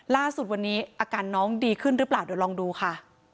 ล่าสุดวันนี้อาการน้องดีขึ้นหรือเปล่าเดี๋ยวลองดูค่ะ